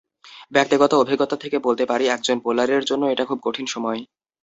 ব্যক্তিগত অভিজ্ঞতা থেকে বলতে পারি, একজন বোলারের জন্য এটা খুব কঠিন সময়।